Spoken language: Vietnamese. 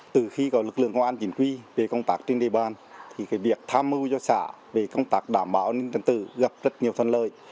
từ khi có lực lượng công an chính quy về công tác trên địa bàn thì việc tham mưu cho xã về công tác đảm bảo an ninh trật tự gặp rất nhiều phân lợi